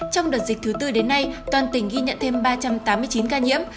trong đợt dịch thứ tư đến nay toàn tỉnh ghi nhận thêm ba trăm tám mươi chín ca nhiễm